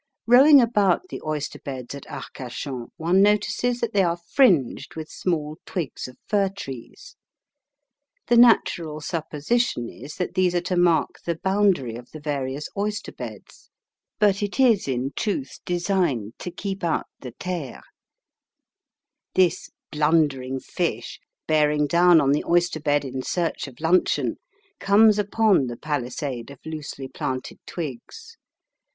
Rowing about the oyster beds at Arcachon one notices that they are fringed with small twigs of fir trees. The natural supposition is that these are to mark the boundary of the various oyster beds; but it is in truth designed to keep out the there. This blundering fish, bearing down on the oyster bed in search of luncheon, comes upon the palisade of loosely planted twigs.